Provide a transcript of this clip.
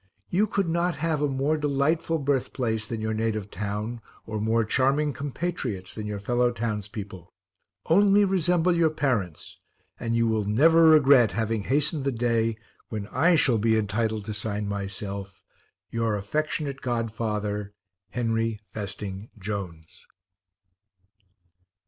You could not have a more delightful birthplace than your native town, or more charming compatriots than your fellow townspeople. Only resemble your parents, and you will never regret having hastened the day when I shall be entitled to sign myself Your affectionate Godfather, HENRY FESTING JONES.